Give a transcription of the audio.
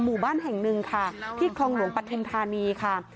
หมู่บ้านแห่งหนึ่งค่ะที่คลองหลวงปฐุมธานีค่ะ